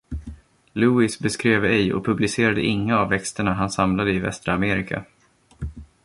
Lewis beskrev ej och publicerade inga av växterna han samlade i västra Amerika.